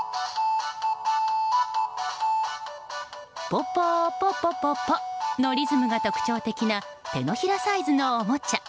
ポポーポポポポのリズムが特徴的な手のひらサイズのおもちゃ。